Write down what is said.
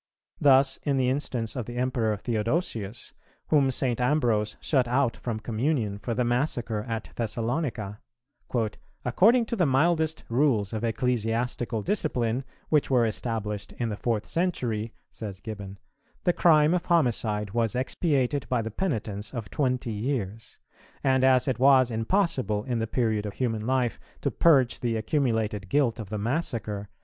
Thus in the instance of the Emperor Theodosius, whom St. Ambrose shut out from communion for the massacre at Thessalonica, "according to the mildest rules of ecclesiastical discipline, which were established in the fourth century," says Gibbon, "the crime of homicide was expiated by the penitence of twenty years; and as it was impossible, in the period of human life, to purge the accumulated guilt of the massacre